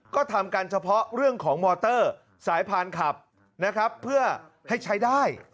ก็ทำกันเฉพาะเรื่องของมอเตอร์สายพานขับนะครับเพื่อให้ใช้ได้